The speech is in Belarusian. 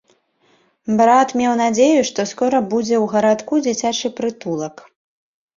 Брат меў надзею, што скора будзе ў гарадку дзіцячы прытулак.